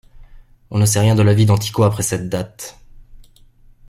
On ne sait rien de la vie d'Antico après cette date.